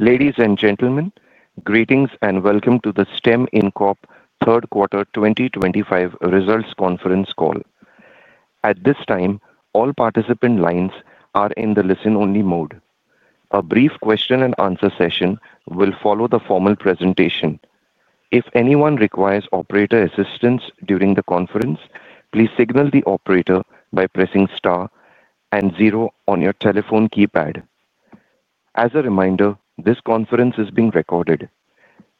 Ladies and gentlemen, greetings and welcome to the STEM Incorp. Third Quarter 2025 Results Conference Call. At this time, all participant lines are in the listen-only mode. A brief question-and-answer session will follow the formal presentation. If anyone requires operator assistance during the conference, please signal the operator by pressing star and zero on your telephone keypad. As a reminder, this conference is being recorded.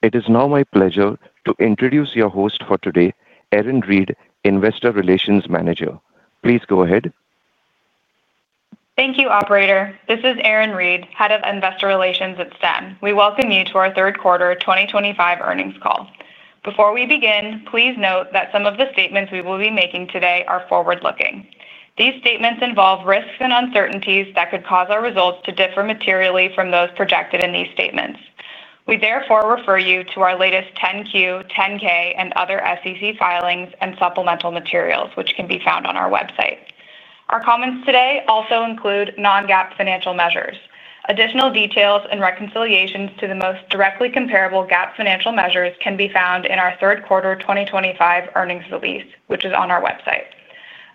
It is now my pleasure to introduce your host for today, Erin Reed, Investor Relations Manager. Please go ahead. Thank you, operator. This is Erin Reed, Head of Investor Relations at STEM. We welcome you to our third quarter 2025 earnings call. Before we begin, please note that some of the statements we will be making today are forward-looking. These statements involve risks and uncertainties that could cause our results to differ materially from those projected in these statements. We therefore refer you to our latest 10-Q, 10-K, and other SEC filings and supplemental materials which can be found on our website. Our comments today also include non-GAAP financial measures. Additional details and reconciliations to the most directly comparable GAAP financial measures can be found in our third quarter 2025 earnings release, which is on our website.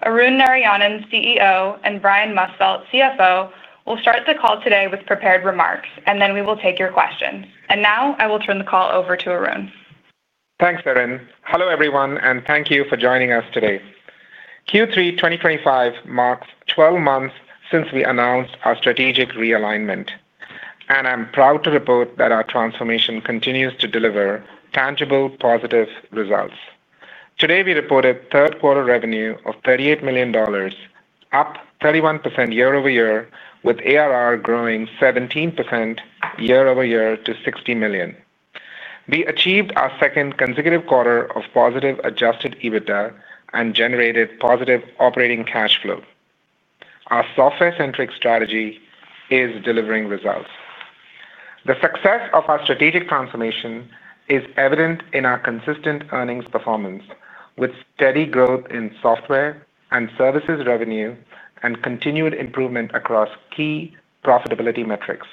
Arun Narayanan, CEO, and Brian Musfeldt, CFO, will start the call today with prepared remarks and then we will take your questions. Now I will turn the call over to Arun. Thanks, Erin. Hello everyone, and thank you for joining us today. Q3 2025 marks 12 months since we announced our strategic realignment. I'm proud to report that our transformation continues to deliver tangible, positive results. Today, we reported third-quarter revenue of $38 million, up 31% year-over-year, with ARR growing 17% year-over-year to $60 million. We achieved our second consecutive quarter of positive adjusted EBITDA, and generated positive operating cash flow. Our software-centric strategy is delivering results. The success of our strategic transformation is evident in our consistent earnings performance, with steady growth in software and services revenue and continued improvement across key profitability metrics.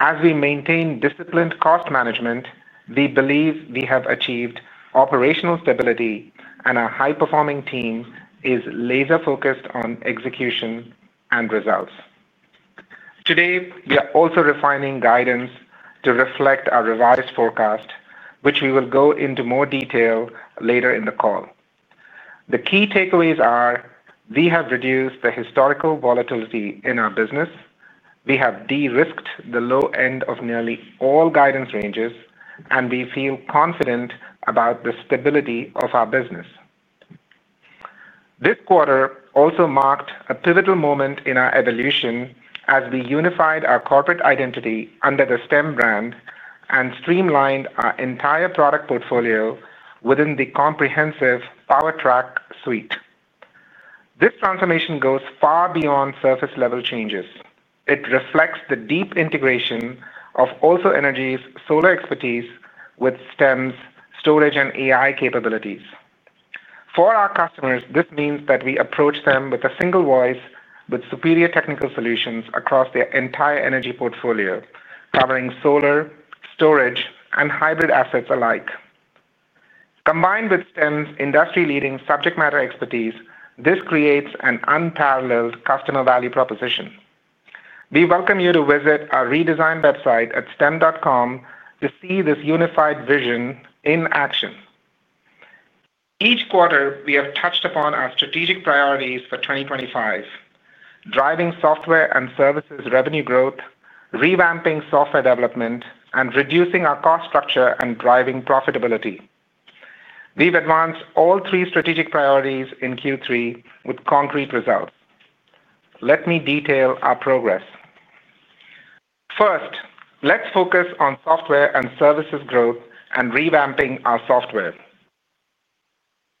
As we maintain disciplined cost management, we believe we have achieved operational stability and our high-performing team is laser-focused on execution and results. Today, we are also refining guidance to reflect our revised forecast, which we will go into more detail later in the call. The key takeaways are, we have reduced the historical volatility in our business. We have de-risked the low end of nearly all guidance ranges, and we feel confident about the stability of our business. This quarter also marked a pivotal moment in our evolution, as we unified our corporate identity under the STEM brand and streamlined our entire product portfolio within the comprehensive PowerTrack suite. This transformation goes far beyond surface-level changes. It reflects the deep integration of OSO Energy's solar expertise with STEM's storage and AI capabilities. For our customers, this means that we approach them with a single voice, with superior technical solutions across their entire energy portfolio, covering solar, storage, and hybrid assets alike. Combined with STEM's industry-leading subject matter expertise, this creates an unparalleled customer value proposition. We welcome you to visit our redesigned website at stem.com, to see this unified vision in action. Each quarter, we have touched upon our strategic priorities for 2025, driving software and services revenue growth, revamping software development, and reducing our cost structure and driving profitability. We've advanced all three strategic priorities in Q3 with concrete results. Let me detail our progress. First, let's focus on software and services growth and revamping our software.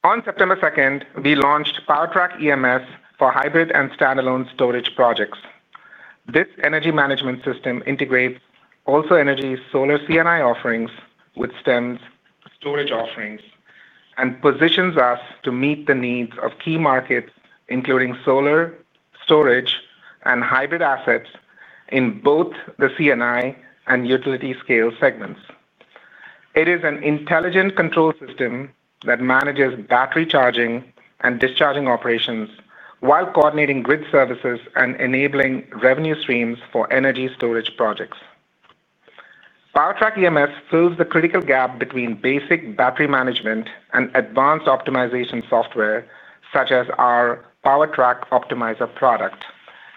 On September 2nd, we launched PowerTrack EMS for hybrid and standalone storage projects. This energy management system integrates OSO Energy's solar CNI offerings with STEM's storage offerings, and positions us to meet the needs of key markets, including solar, storage, and hybrid assets in both the CNI and utility-scale segments. It is an intelligent control system that manages battery charging and discharging operations, while coordinating grid services and enabling revenue streams for energy storage projects. PowerTrack EMS fills the critical gap between basic battery management and advanced optimization software such as our PowerTrack Optimizer product,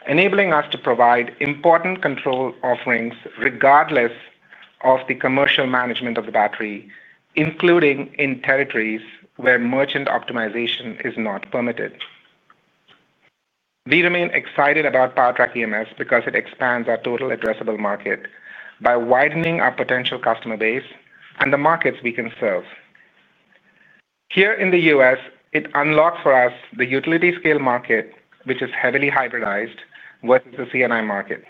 enabling us to provide important control offerings regardless of the commercial management of the battery, including in territories where merchant optimization is not permitted. We remain excited about PowerTrack EMS, because it expands our total addressable market by widening our potential customer base and the markets we can serve. Here in the U.S., it unlocks for us the utility-scale market, which is heavily hybridized versus the CNI market.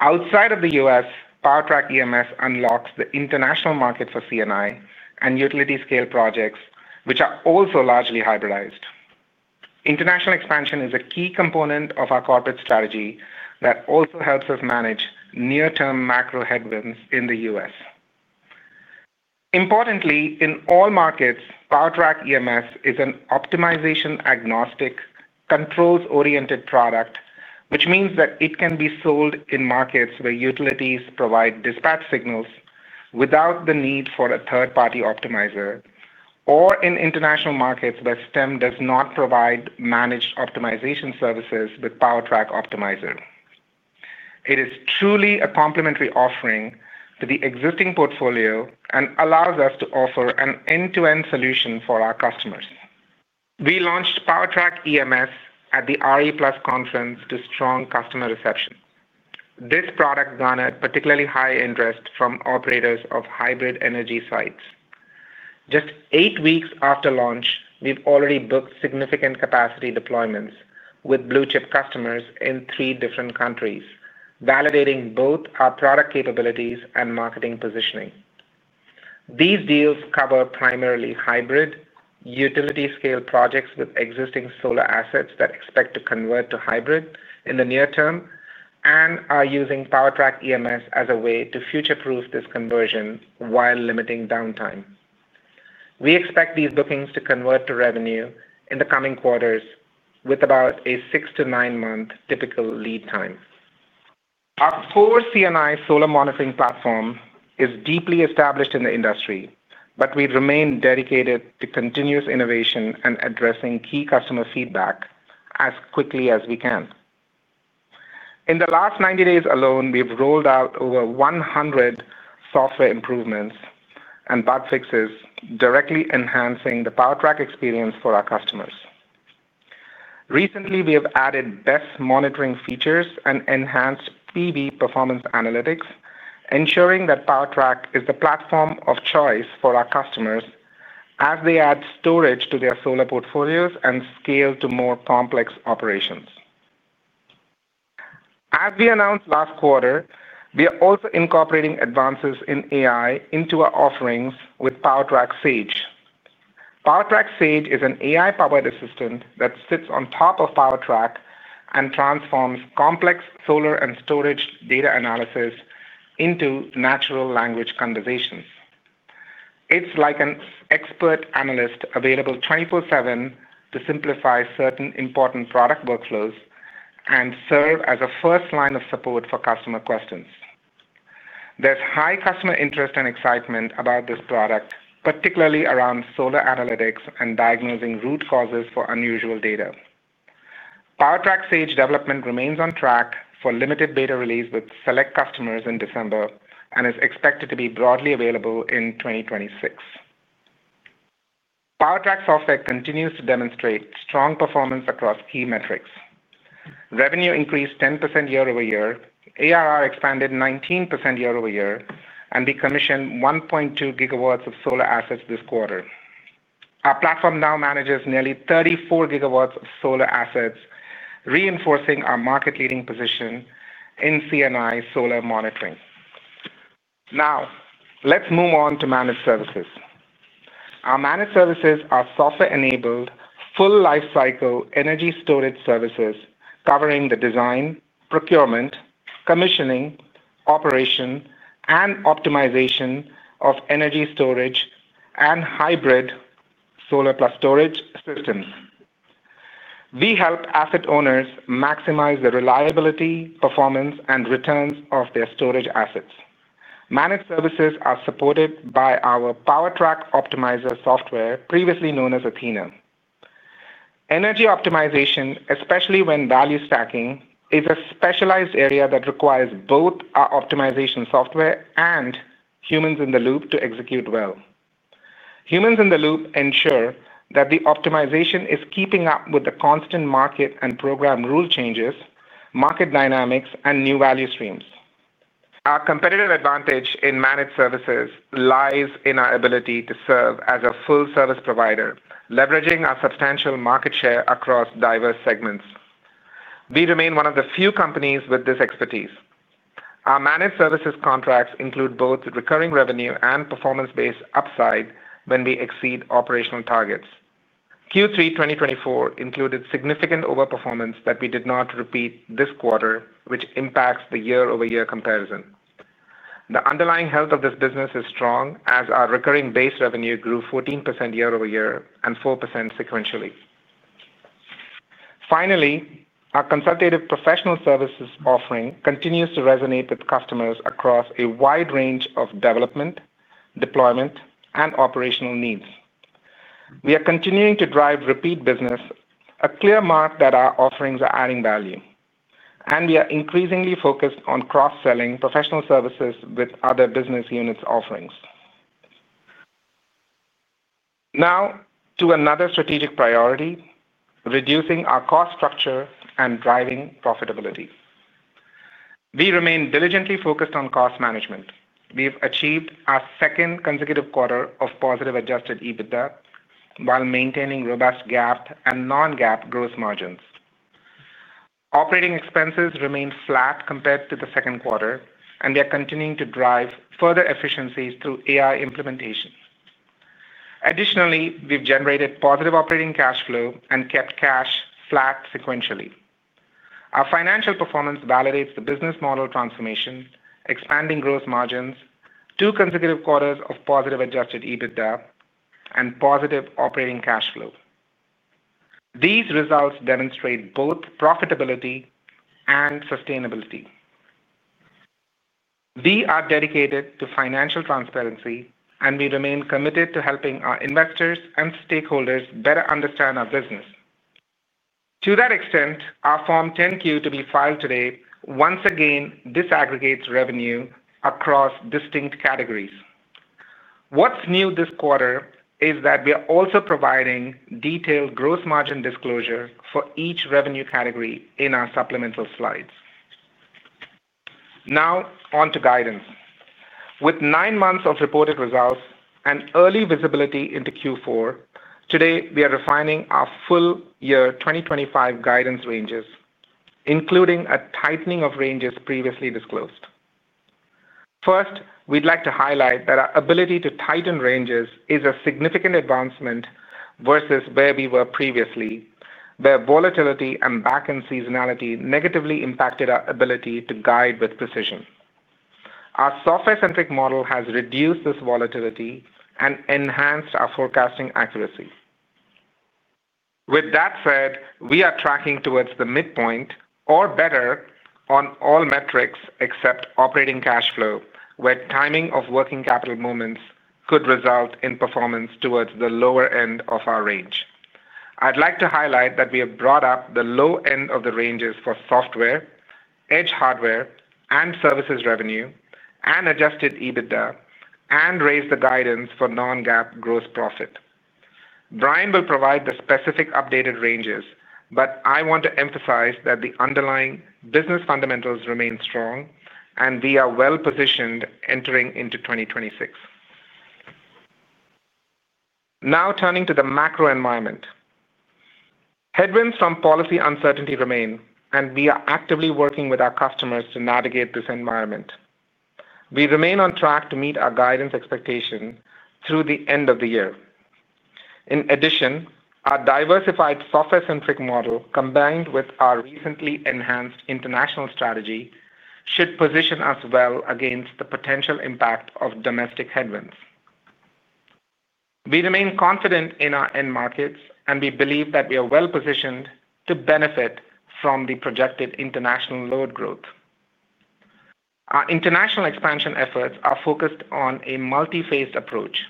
Outside of the U.S., PowerTrack EMS unlocks the international market for CNI and utility-scale projects, which are also largely hybridized. International expansion is a key component of our corporate strategy, that also helps us manage near-term macro headwinds in the U.S. Importantly, in all markets, PowerTrack EMS is an optimization-agnostic, controls-oriented product, which means that it can be sold in markets where utilities provide dispatch signals without the need for a third-party optimizer, or in international markets where STEM does not provide managed optimization services with PowerTrack Optimizer. It is truly a complementary offering to the existing portfolio, and allows us to offer an end-to-end solution for our customers. We launched PowerTrack EMS at the RE+ conference to strong customer reception. This product garnered particularly high interest from operators of hybrid energy sites. Just eight weeks after launch, we've already booked significant capacity deployments with blue-chip customers in three different countries, validating both our product capabilities and market positioning. These deals cover primarily hybrid, utility-scale projects with existing solar assets that expect to convert to hybrid in the near term, and are using PowerTrack EMS as a way to future-proof this conversion while limiting downtime. We expect these bookings to convert to revenue in the coming quarters with about a six to nine-month typical lead times. Our core CNI solar monitoring platform is deeply established in the industry, but we remain dedicated to continuous innovation and addressing key customer feedback as quickly as we can. In the last 90 days alone, we've rolled out over 100 software improvements and bug fixes, directly enhancing the PowerTrack experience for our customers. Recently, we have added BESS monitoring features and enhanced PB performance analytics, ensuring that PowerTrack is the platform of choice for our customers as they add storage to their solar portfolios and scale to more complex operations. As we announced last quarter, we are also incorporating advances in AI into our offerings with PowerTrack Sage. PowerTrack Sage is an AI-powered assistant that sits on top of PowerTrack, and transforms complex solar and storage data analysis into natural language conversations. It's like an expert analyst available 24/7 to simplify certain important product workflows and serve as a first line of support for customer questions. There's high customer interest and excitement about this product, particularly around solar analytics and diagnosing root causes for unusual data. PowerTrack Sage development remains on track for limited beta release with select customers in December, and is expected to be broadly available in 2026. PowerTrack software continues to demonstrate strong performance across key metrics. Revenue increased 10% year-over-year, ARR expanded 19% year-over-year and we commissioned 1.2 GW of solar assets this quarter. Our platform now manages nearly 34 GW of solar assets, reinforcing our market-leading position in CNI solar monitoring. Now, let's move on to managed services. Our managed services are software-enabled, full lifecycle energy storage services covering the design, procurement, commissioning, operation, and optimization of energy storage and hybrid solar plus storage systems. We help asset owners maximize the reliability, performance, and returns of their storage assets. Managed services are supported by our PowerTrack Optimizer software, previously known as Athena. Energy optimization, especially when value stacking, is a specialized area that requires both our optimization software and humans in the loop to execute well. Humans in the loop ensure that the optimization is keeping up with the constant market and program rule changes, market dynamics, and new value streams. Our competitive advantage in managed services lies in our ability to serve as a full-service provider, leveraging our substantial market share across diverse segments. We remain one of the few companies with this expertise. Our managed services contracts include both recurring revenue and performance-based upside when we exceed operational targets. Q3 2024 included significant overperformance that we did not repeat this quarter, which impacts the year-over-year comparison. The underlying health of this business is strong, as our recurring base revenue grew 14% year-over-year and 4% sequentially. Finally, our consultative professional services offering continues to resonate with customers across a wide range of development, deployment, and operational needs. We are continuing to drive repeat business, a clear mark that our offerings are adding value. We are increasingly focused on cross-selling professional services with other business units' offerings. Now to another strategic priority, reducing our cost structure and driving profitability. We remain diligently focused on cost management. We've achieved our second consecutive quarter of positive adjusted EBITDA, while maintaining robust GAAP and non-GAAP gross margins. Operating expenses remain flat compared to the second quarter, and we are continuing to drive further efficiencies through AI implementation. Additionally, we've generated positive operating cash flow and kept cash flat sequentially. Our financial performance validates the business model transformation, expanding gross margins, two consecutive quarters of positive adjusted EBITDA and positive operating cash flow. These results demonstrate both profitability and sustainability. We are dedicated to financial transparency, and we remain committed to helping our investors and stakeholders better understand our business. To that extent, our Form 10-Q to be filed today,, once again disaggregates revenue across distinct categories. What's new this quarter is that we are also providing detailed gross margin disclosure for each revenue category in our supplemental slides. Now on to guidance. With nine months of reported results and early visibility into Q4, today we are refining our full-year 2025 guidance ranges, including a tightening of ranges previously disclosed. First, we'd like to highlight that our ability to tighten ranges is a significant advancement versus where we were previously, where volatility and backend seasonality negatively impacted our ability to guide with precision. Our software-centric model has reduced this volatility, and enhanced our forecasting accuracy. With that said, we are tracking towards the midpoint or better, on all metrics except operating cash flow, where timing of working capital moments could result in performance towards the lower end of our range. I'd like to highlight that we have brought up the low end of the ranges for software, edge hardware, and services revenue, and adjusted EBITDA and raised the guidance for non-GAAP gross profit. Brian will provide the specific updated ranges, but I want to emphasize that the underlying business fundamentals remain strong and we are well-positioned entering into 2026. Now turning to the macro environment. Headwinds from policy uncertainty remain, and we are actively working with our customers to navigate this environment. We remain on track to meet our guidance expectation through the end of the year. In addition, our diversified software-centric model, combined with our recently enhanced international strategy, should position us well against the potential impact of domestic headwinds. We remain confident in our end markets, and we believe that we are well-positioned to benefit from the projected international load growth. Our international expansion efforts are focused on a multiphased approach.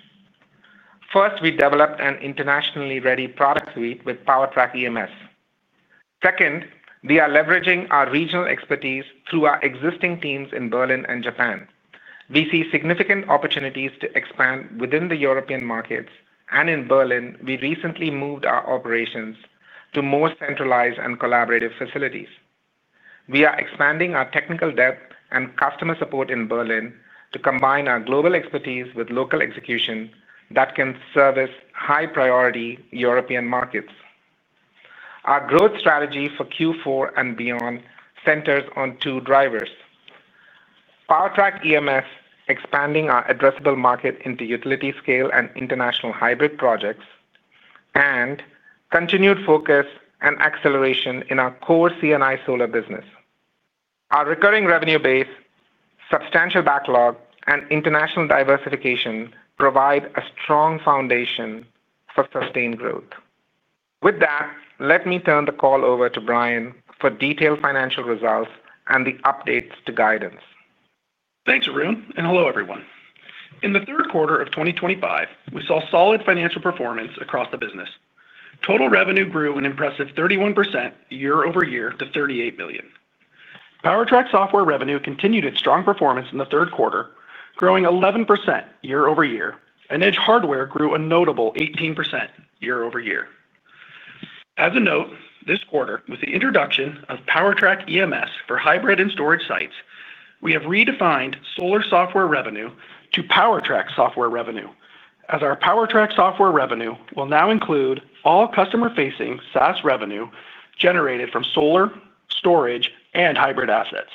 First, we developed an internationally ready product suite with PowerTrack EMS. Second, we are leveraging our regional expertise through our existing teams in Berlin and Japan. We see significant opportunities to expand within the European markets, and in Berlin, we recently moved our operations to more centralized and collaborative facilities. We are expanding our technical depth and customer support in Berlin, to combine our global expertise with local execution that can service high-priority European markets. Our growth strategy for Q4 and beyond centers on two drivers, PowerTrack EMS, expanding our addressable market into utility-scale and international hybrid projects, and continued focus and acceleration in our core CNI solar business. Our recurring revenue base, substantial backlog, and international diversification provide a strong foundation for sustained growth. With that, let me turn the call over to Brian for detailed financial results and the updates to guidance. Thanks, Arun. Hello, everyone. In the third quarter of 2025, we saw solid financial performance across the business. Total revenue grew an impressive 31% year-over-year to $38 million. PowerTrack software revenue continued its strong performance in the third quarter, growing 11% year-over-year and Edge Hardware grew a notable 18% year-over-year. As a note, this quarter, with the introduction of PowerTrack EMS for hybrid and storage sites, we have redefined solar software revenue to PowerTrack software revenue, as our PowerTrack software revenue will now include all customer-facing SaaS revenue generated from solar, storage, and hybrid assets.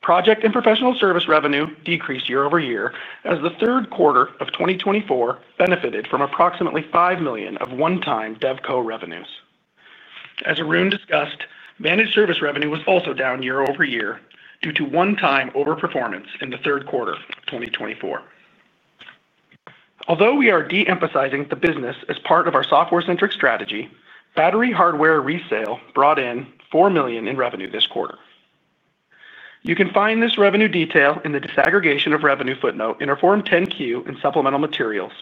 Project and professional service revenue decreased year-over-year, as the third quarter of 2024 benefited from approximately $5 million of one-time dev co-revenues. As Arun discussed, managed service revenue was also down year-over-year due to one-time overperformance in the third quarter2024. Although we are de-emphasizing the business as part of our software-centric strategy, battery hardware resale brought in $4 million in revenue this quarter. You can find this revenue detail in the disaggregation of revenue footnote in our Form 10-Q and supplemental materials,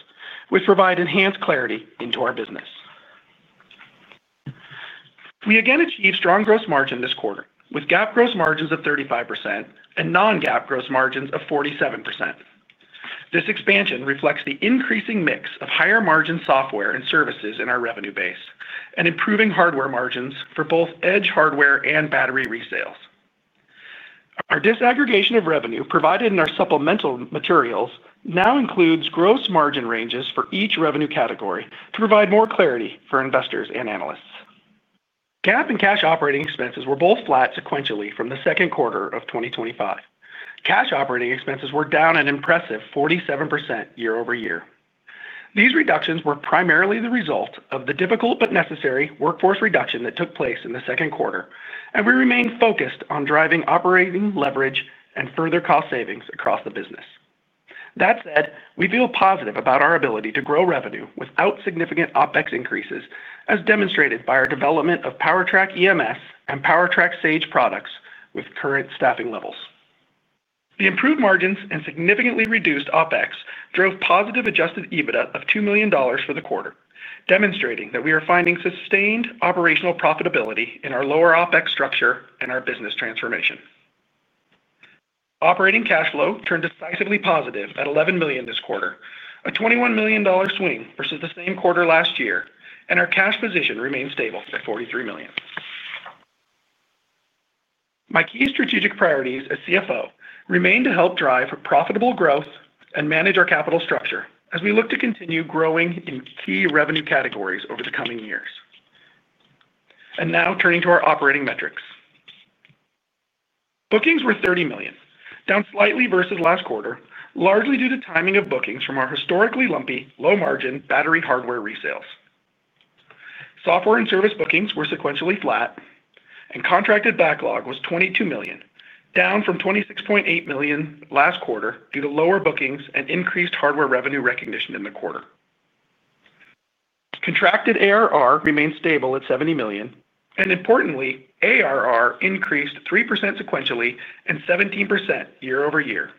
which provide enhanced clarity into our business. We again achieved strong gross margin this quarter, with GAAP gross margins of 35% and non-GAAP gross margins of 47%. This expansion reflects the increasing mix of higher margin software and services in our revenue base, and improving hardware margins for both Edge Hardware and battery resales. Our disaggregation of revenue provided in our supplemental materials, now includes gross margin ranges for each revenue category to provide more clarity for investors and analysts. GAAP and cash operating expenses were both flat sequentially from the second quarter of 2025. Cash operating expenses were down an impressive 47% year-over-year. These reductions were primarily the result of the difficult but necessary workforce reduction that took place in the second quarter, and we remain focused on driving operating leverage and further cost savings across the business. That said, we feel positive about our ability to grow revenue without significant OpEx increases, as demonstrated by our development of PowerTrack EMS and PowerTrack Sage products, with current staffing levels. The improved margins and significantly reduced OpEx drove positive adjusted EBITDA of $2 million for the quarter, demonstrating that we are finding sustained operational profitability in our lower OpEx structure and our business transformation. Operating cash flow turned decisively positive at $11 million this quarter, a $21 million swing versus the same quarter last year, and our cash position remains stable at $43 million. My key strategic priorities as CFO remain to help drive profitable growth and manage our capital structure, as we look to continue growing in key revenue categories over the coming years. Now turning to our operating metrics. Bookings were $30 million, down slightly versus last quarter, largely due to timing of bookings from our historically lumpy, low-margin battery hardware resales. Software and service bookings were sequentially flat, and contracted backlog was $22 million, down from $26.8 million last quarter, due to lower bookings and increased hardware revenue recognition in the quarter. Contracted ARR remains stable at $70 million, and importantly, ARR increased 3% sequentially and 17% year-over-year,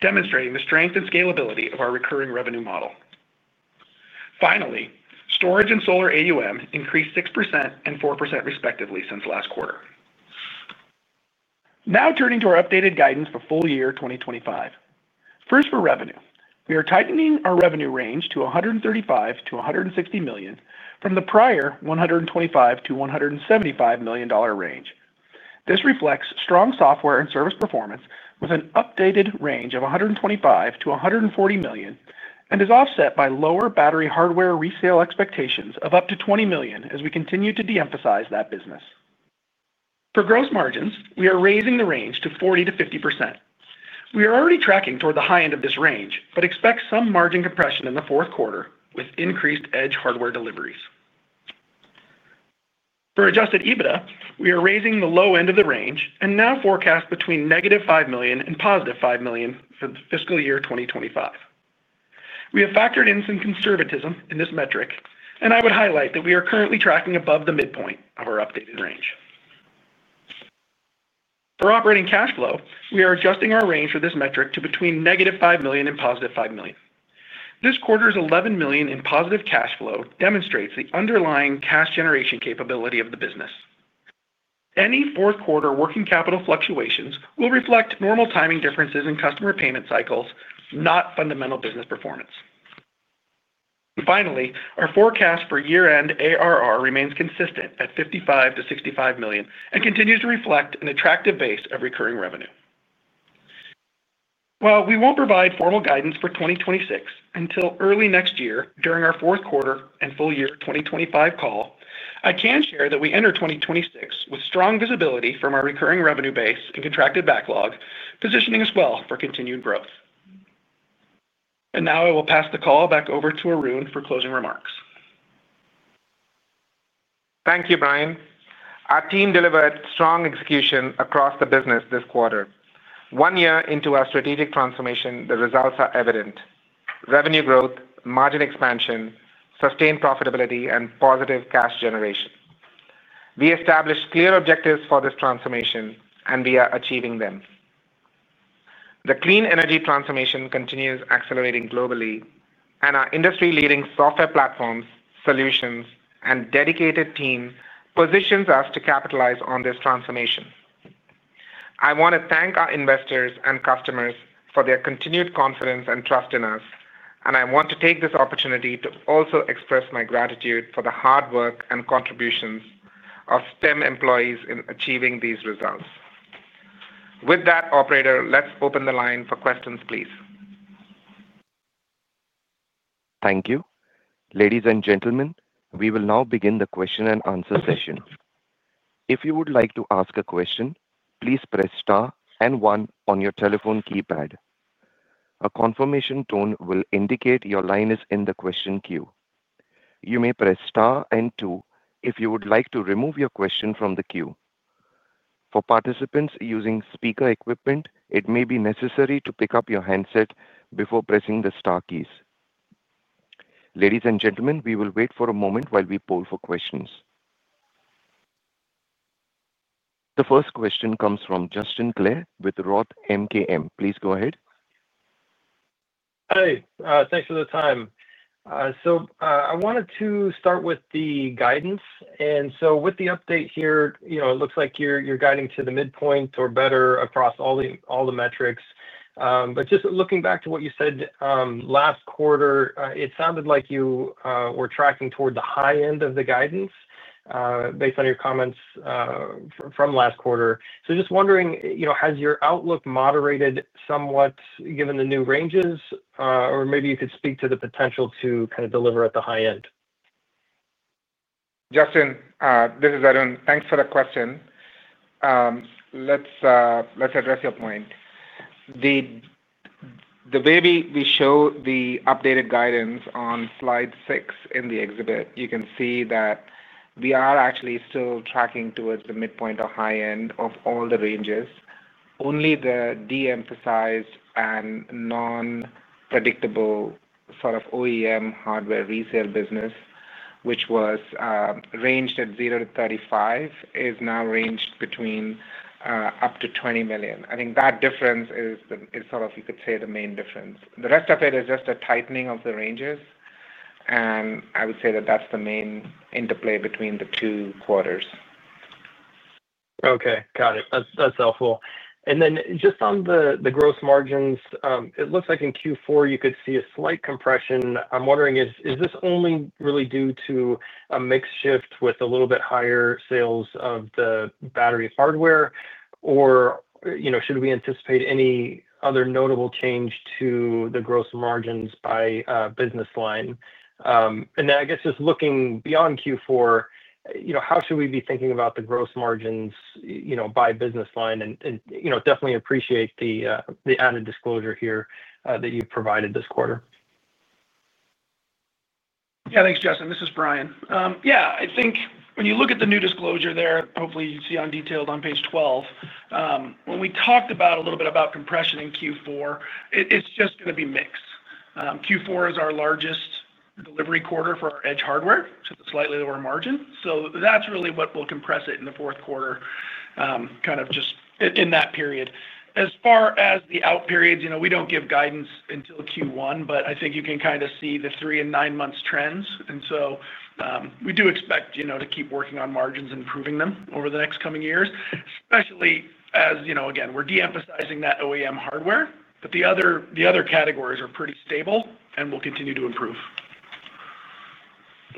demonstrating the strength and scalability of our recurring revenue model. Finally, storage and solar AUM increased 6% and 4% respectively since last quarter. Now turning to our updated guidance for full-year 2025. First, for revenue, we are tightening our revenue range to $135 million-$160 million from the prior $125 million-$175 million range. This reflects strong software and service performance, with an updated range of $125 million-$140 million and is offset by lower battery hardware resale expectations of up to $20 million, as we continue to de-emphasize that business. For gross margins, we are raising the range to 40%-50%. We are already tracking toward the high end of this range, but expect some margin compression in the fourth quarter, with increased edge hardware deliveries. For adjusted EBITDA, we are raising the low end of the range, and now forecast between -$5 million and +$5 million for the fiscal year 2025. We have factored in some conservatism in this metric, and I would highlight that we are currently tracking above the midpoint of our updated range. For operating cash flow, we are adjusting our range for this metric to between -$5 million and +$5 million. This quarter's $11 million in positive cash flow demonstrates the underlying cash generation capability of the business. Any fourth-quarter working capital fluctuations will reflect normal timing differences in customer payment cycles, not fundamental business performance. Finally, our forecast for year-end ARR remains consistent, at $55 million-$65 million and continues to reflect an attractive base of recurring revenue. While we won't provide formal guidance for 2026 until early next year during our fourth quarter and full-year 2025 call, I can share that we enter 2026 with strong visibility from our recurring revenue base and contracted backlog, positioning us well for continued growth. Now I will pass the call back over to Arun for closing remarks. Thank you, Brian. Our team delivered strong execution across the business this quarter. One year into our strategic transformation, the results are evident, revenue growth, margin expansion, sustained profitability, and positive cash generation. We established clear objectives for this transformation, and we are achieving them. The clean energy transformation continues accelerating globally, and our industry-leading software platforms, solutions, and dedicated team positions us to capitalize on this transformation. I want to thank our investors and customers for their continued confidence and trust in us, and I want to take this opportunity to also express my gratitude for the hard work and contributions of STEM employees in achieving these results. With that, operator, let's open the line for questions please. Thank you. Ladies and gentlemen, we will now begin the question-and-answer session. If you would like to ask a question, please press star and one on your telephone keypad. A confirmation tone will indicate your line is in the question queue. You may press star and two if you would like to remove your question from the queue. For participants using speaker equipment, it may be necessary to pick up your handset before pressing the star keys. Ladies and gentlemen, we will wait for a moment while we poll for questions. The first question comes from Justin Clare with ROTH MKM. Please go ahead. Hi. Thanks for the time. I wanted to start with the guidance. With the update here, it looks like you're guiding to the midpoint or better, across all the metrics. Just looking back to what you said last quarter, it sounded like you were tracking toward the high end of the guidance based on your comments from last quarter. I'm just wondering, has your outlook moderated somewhat, given the new ranges? Maybe you could speak to the potential to kind of deliver at the high end. Justin, this is Arun. Thanks for the question. Let's address your point. The way we show the updated guidance on slide six in the exhibit, you can see that we are actually still tracking towards the midpoint or high end of all the ranges. Only the de-emphasized and non-predictable sort of OEM hardware resale business, which was ranged at $0-$35 million, is now ranged up to $20 million. I think that difference is sort of, you could say the main difference. The rest of it is just a tightening of the ranges. I would say that that's the main interplay between the two quarters. Okay, got it. That's helpful. Just on the gross margins, it looks like in Q4 you could see a slight compression. I'm wondering, is this only really due to a mix shift with a little bit higher sales of the battery hardware or should we anticipate any other notable change to the gross margins by business line? Just looking beyond Q4, how should we be thinking about the gross margins by business line? I definitely appreciate the added disclosure here that you provided this quarter. Yeah. Thanks, Justin. This is Brian. I think when you look at the new disclosure there, hopefully you can see detailed on page 12, when we talked a little bit about compression in Q4, it's just going to be mixed. Q4 is our largest delivery quarter for our Edge hardware, so the slightly lower margin. That's really what will compress it in the fourth quarter, kind of just in that period. As far as the out periods, you know we don't give guidance until Q1, but I think you can kind of see the three and nine months' trends. We do expect to keep working on margins and improving them over the next coming years, especially as you know again, we're de-emphasizing that OEM hardware. The other categories are pretty stable and will continue to improve.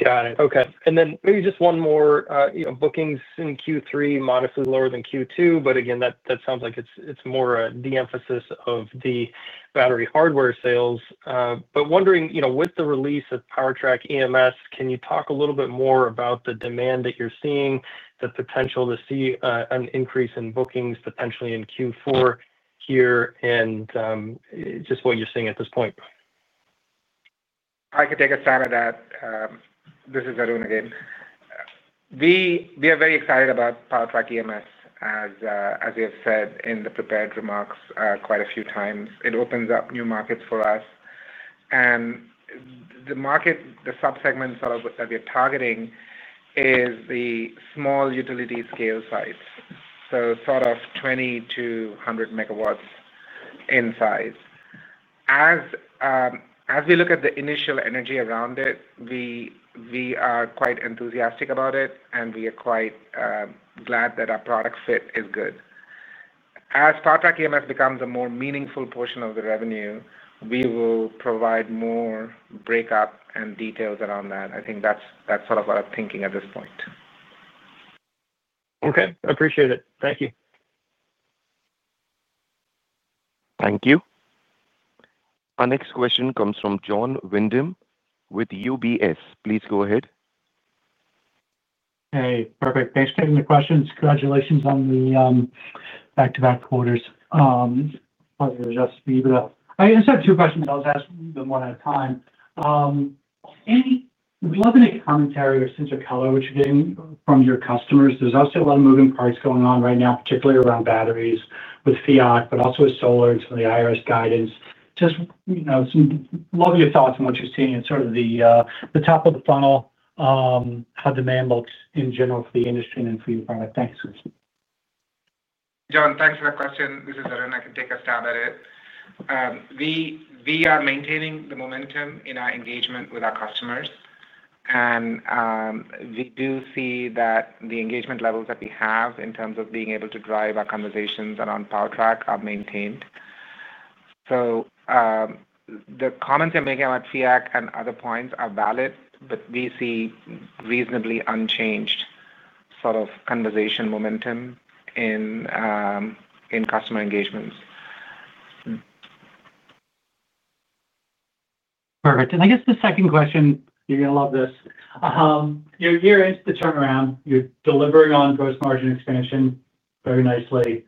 Got it, okay. Maybe just one more, you know, bookings in Q3 modestly lower than Q2. Again, that sounds like it's more a de-emphasis of the battery hardware sales. Wondering, you know, with the release of PowerTrack EMS, can you talk a little bit more about the demand that you're seeing, the potential to see an increase in bookings potentially in Q4 here and just what you're seeing at this point? I can take a stab at that. This is Arun again. We are very excited about PowerTrack EMS, as we have said in the prepared remarks quite a few times. It opens up new markets for us. The market subsegment that we are targeting is the small utility-scale sites, so 20 MW-100 MW in size. As we look at the initial energy around it, we are quite enthusiastic about it and we are quite glad that our product fit is good. As PowerTrack EMS becomes a more meaningful portion of the revenue, we will provide more breakup and details around that. I think that's our thinking at this point. Okay, appreciate it. Thank you. Thank you. Our next question comes from Jon Windham with UBS. Please go ahead. Hi, perfect. Thanks for taking the questions. Congratulations on the back-to-back quarters. [Just leave] it up. I just have two questions. I'll just ask them one at a time. Any commentary or sense of color what you're getting from your customers? There's obviously a lot of moving parts going on right now, particularly around batteries with Fiat, but also with solar and some of the IRS guidance. Just your thoughts on what you're seeing at sort of the top of the funnel, how demand looks in general for the industry and for your product. [Thanks, sir]. Jon, thanks for that question. This is Arun. I can take a stab at it. We are maintaining the momentum in our engagement with our customers. We do see that the engagement levels that we have in terms of being able to drive our conversations on PowerTrack are maintained. The comments I'm making about Fiat and other points are valid, but we see reasonably unchanged sort of conversation momentum in customer engagements. Perfect. I guess the second question, you're going to love this. You're turnaround, tou're delivering on gross margin expansion very nicely.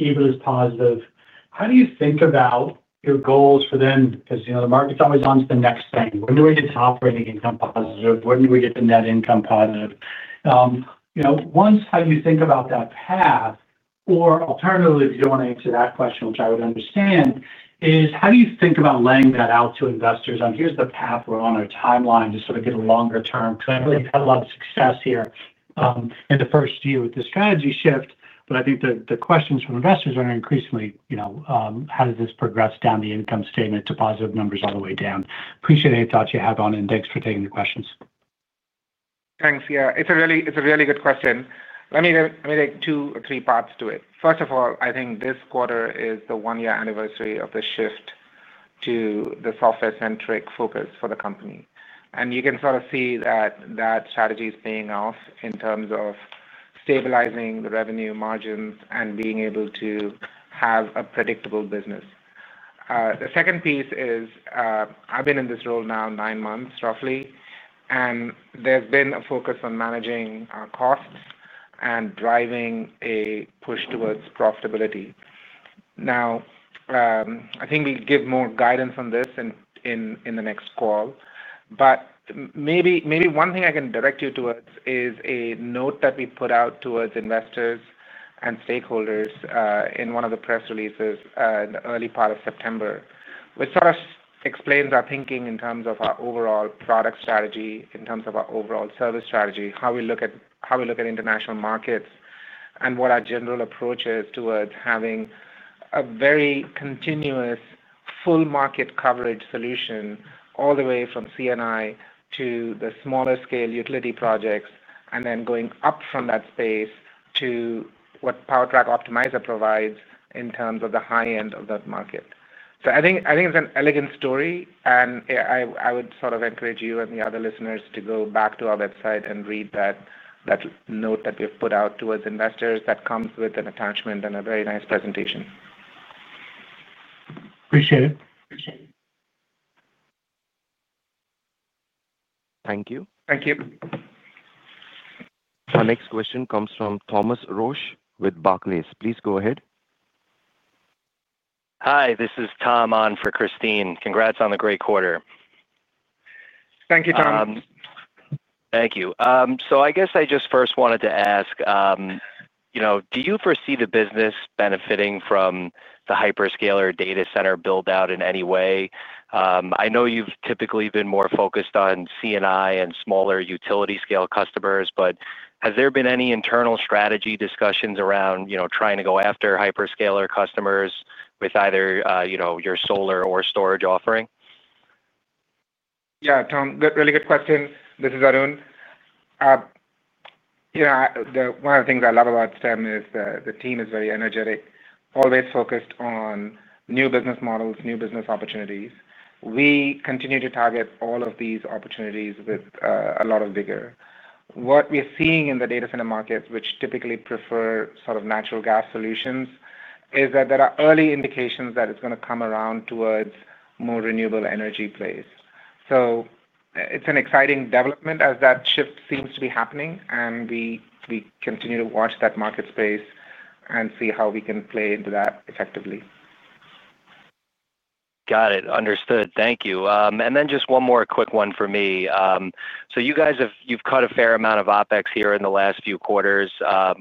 EBITDA is positive. How do you think about your goals for them? You know the market's always on to the next thing. When do we get the operating income positive? When do we get to net income positive? You know, how do you think about that path? Alternatively, if you don't want to answer that question, which I would understand, how do you think about laying that out to investors on, here's the path we're on, our timeline to sort of get a longer term? I know you've had a lot of success here in the first year with the strategy shift. I think the questions from investors are increasingly, you know, how does this progress down the income statement to positive numbers all the way down? Appreciate any thoughts you have on it. Thanks for taking the questions. Thanks. Yeah, it's a really good question. Let me take two or three parts to it. First of all, I think this quarter is the one-year anniversary of the shift to the software-centric focus for the company. You can sort of see that that strategy is paying off in terms of stabilizing the revenue margins, and being able to have a predictable business. The second piece is, I've been in this role now nine months roughly, and there's been a focus on managing costs and driving a push towards profitability. Now, I think we'll give more guidance on this in the next call. Maybe one thing I can direct you towards is a note that we put out towards investors and stakeholders in one of the press releases in the early part of September, which sort of explains our thinking in terms of our overall product strategy, in terms of our overall service strategy, how we look at international markets, and what our general approach is towards having a very continuous full-market coverage solution all the way from CNI to the smaller scale utility projects, and then going up from that space to what PowerTrack Optimizer provides in terms of the high end of that market. I think it's an elegant story. I would sort of encourage you and the other listeners to go back to our website and read that note that we have put out towards investors, that comes with an attachment and a very nice presentation. Appreciate it. Thank you. Thank you. Our next question comes from Thomas Roche with Barclays. Please go ahead. Hi. This is Tom on for Christine. Congrats on the great quarter. Thank you, Tom. Thank you. I just first wanted to ask, do you foresee the business benefiting from the hyperscaler data center build-out in any way? I know you've typically been more focused on CNI and smaller utility-scale customers, but has there been any internal strategy discussions around trying to go after hyperscaler customers with either your solar or storage offering? Yeah, Tom. Really good question. This is Arun. You know, one of the things I love about STEM is the team is very energetic, always focused on new business models, new business opportunities. We continue to target all of these opportunities with a lot of vigor. What we're seeing in the data center markets, which typically prefer sort of natural gas solutions, is that there are early indications that it's going to come around towards more renewable energy plays. It's an exciting development as that shift seems to be happening. We continue to watch that market space and see how we can play into that effectively. Got it, understood. Thank you. Just one more quick one for me. You guys, you've cut a fair amount of OpEx here in the last few quarters.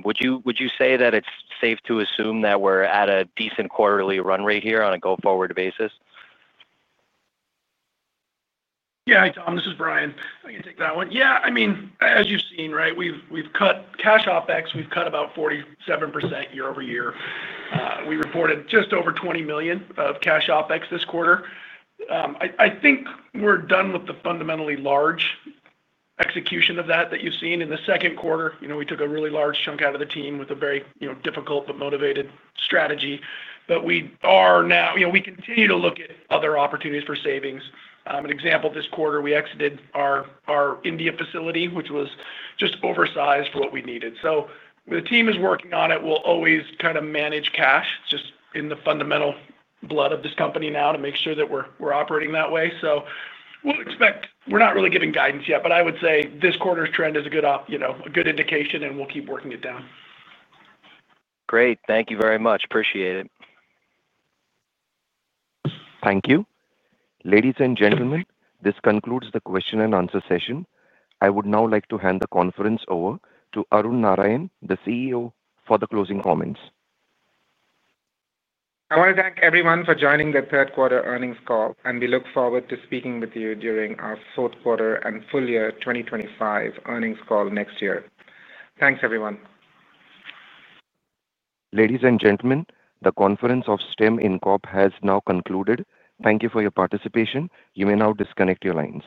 Would you say that it's safe to assume that we're at a decent quarterly run rate here on a go-forward basis? Yeah. Tom, this is Brian. I can take that one. I mean, as you've seen, we've cut cash OpEx. We've cut about 47% year-over-year. We reported just over $20 million of cash OpEx this quarter. I think we're done with the fundamentally large execution of that that you've seen in the second quarter. We took a really large chunk out of the team, with a very difficult, but motivated strategy. We continue to look at other opportunities for savings. An example, this quarter we exited our India facility, which was just oversized for what we needed. The team is working on it. We'll always kind of manage cash. It's just in the fundamental blood of this company now to make sure that we're operating that way. We're not really giving guidance yet, but I would say this quarter's trend is a good indication and we'll keep working it down. Great, thank you very much. Appreciate it. Thank you. Ladies and gentlemen, this concludes the question-and-answer session. I would now like to hand the conference over to Arun Narayanan, the CEO, for the closing comments. I want to thank everyone for joining the third-quarter earnings call, and we look forward to speaking with you during our fourth-quarter and full-year 2025 earnings call next year. Thanks, everyone. Ladies and gentlemen, the conference of STEM Incorp. has now concluded. Thank you for your participation. You may now disconnect your lines.